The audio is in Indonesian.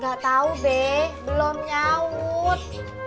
ga tau beh flow nyawut